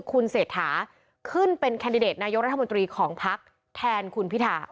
คุณเศรษฐาขึ้นเป็นแคนดิเดตนายกรัฐมนตรีของพักแทนคุณพิธา